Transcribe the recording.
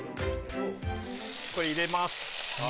ここへ入れます。